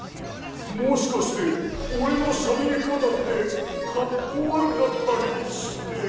もしかしておれのしゃべりかたってかっこわるかったりして？